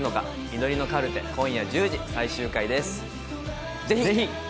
祈りのカルテ、今夜１０時、最終回です。